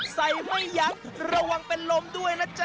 ไม่ยั้งระวังเป็นลมด้วยนะจ๊